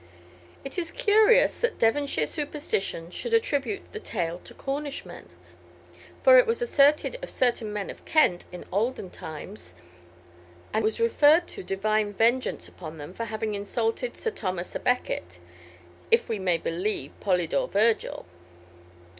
It is curious that Devonshire superstition should attribute the tail to Cornishmen, for it was asserted of certain men of Kent in olden times, and was referred to Divine vengeance upon them for having insulted St. Thomas à Becket, if we may believe Polydore Vergil.